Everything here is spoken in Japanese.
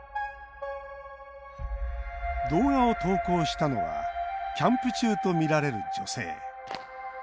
動画を投稿したのはキャンプ中とみられる女性。